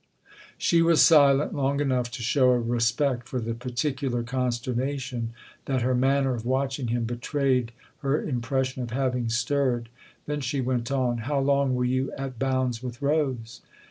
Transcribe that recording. She was silent long enough to show a respect for the particular consternation that her manner of watching him betrayed her impression of having stirred ; then she went on :" How long were you at Bounds with Rose